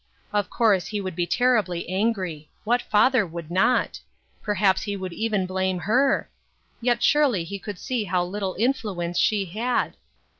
Of course he would be terribly angry. What father would not? Perhaps he would even blame her. Yet surely he could see how little influence she had.